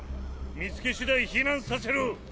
見つけしだい避難させろ。